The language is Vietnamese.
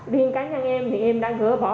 điên cá nhân em thì em đã gửi bỏ